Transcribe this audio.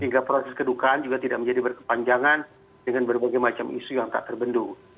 dan juga proses kedukaan juga tidak menjadi berkepanjangan dengan berbagai macam isu yang tak terbendung